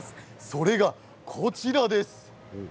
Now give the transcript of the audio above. それがこちらです。